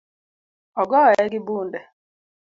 Ogoye gi bunde